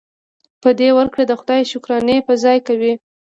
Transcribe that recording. په دې ورکړې د خدای شکرانې په ځای کوي.